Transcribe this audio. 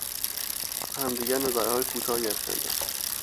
به همدیگر نظرهای کوتاهی افکندند.